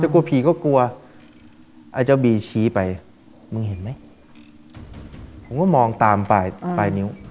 กลัวผีก็กลัวไอ้เจ้าบีชี้ไปมึงเห็นไหมผมก็มองตามปลายนิ้ว